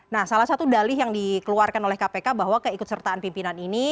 nah salah satu dalih yang dikeluarkan oleh kpk bahwa keikut sertaan pimpinan ini